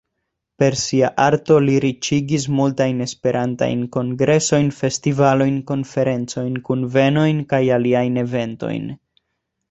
Per sia arto li riĉigis multajn Esperantajn kongresojn, festivalojn, konferencojn, kunvenojn kaj aliajn eventojn.